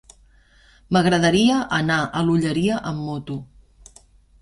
M'agradaria anar a l'Olleria amb moto.